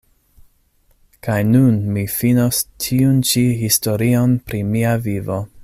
Kaj nun mi finos tiun-ĉi historion pri mia vivo.